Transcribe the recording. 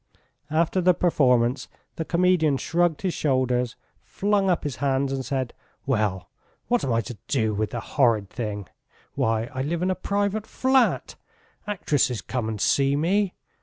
After the performance the comedian shrugged his shoulders, flung up his hands and said: "Well what am I to do with the horrid thing? Why, I live in a private flat! Actresses come and see me!